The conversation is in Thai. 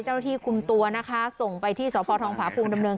เจ้าที่คุมตัวนะคะส่งไปที่สธภภูมิดำเนิน